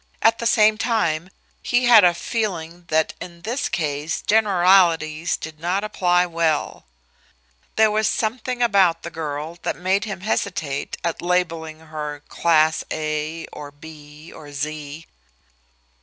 At the same time he had a feeling that in this case generalities did not apply well; there was something about the girl that made him hesitate at labelling her "Class A, or B, or Z."